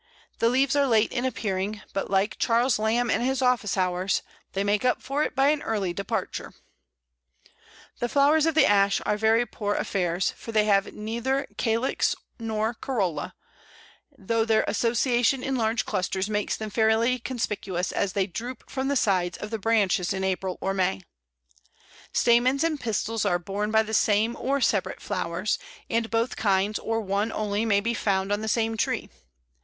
The leaves are late in appearing, but, like Charles Lamb and his office hours, they make up for it by an early departure. [Illustration: Pl. 40. Flowers of Ash.] The flowers of the Ash are very poor affairs, for they have neither calyx nor corolla, though their association in large clusters makes them fairly conspicuous as they droop from the sides of the branches in April or May. Stamens and pistils are borne by the same or separate flowers, and both kinds or one only may be found on the same tree.